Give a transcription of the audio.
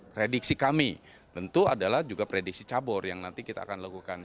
prediksi kami tentu adalah juga prediksi cabur yang nanti kita akan lakukan